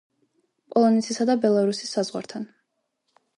პოლონეთისა და ბელარუსის საზღვართან.